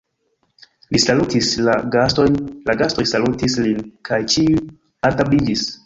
Li salutis la gastojn, la gastoj salutis lin, kaj ĉiuj altabliĝis.